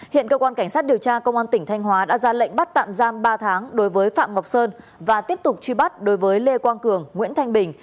hiện cơ quan cảnh sát điều tra công an tỉnh thanh hóa đã ra lệnh bắt tạm giam ba tháng đối với phạm ngọc sơn và tiếp tục truy bắt đối với lê quang cường nguyễn thanh bình